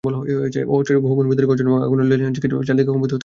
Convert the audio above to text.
অস্ত্রের গগনবিদারী গর্জন এবং আগুনের লেলিহান শিখায় চারদিক কম্পিত হতে লাগল।